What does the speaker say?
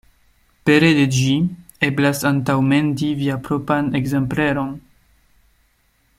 Pere de ĝi, eblas antaŭmendi vian propran ekzempleron.